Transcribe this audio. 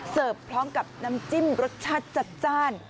พร้อมกับน้ำจิ้มรสชาติจัดจ้าน